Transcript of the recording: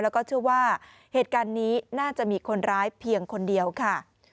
แล้วก็เชื่อว่าเหตุการณ์นี้น่าจะมีคนร้ายเพียงคนเดียวค่ะ